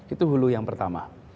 itu hulu yang pertama